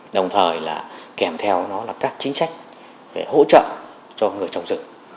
đồng thời kèm theo các chính sách về hỗ trợ cho người trồng rừng